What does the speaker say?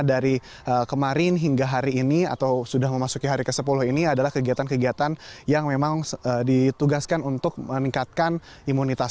dari kemarin hingga hari ini atau sudah memasuki hari ke sepuluh ini adalah kegiatan kegiatan yang memang ditugaskan untuk meningkatkan imunitas